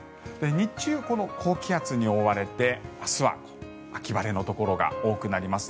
日中、この高気圧に覆われて明日は秋晴れのところが多くなります。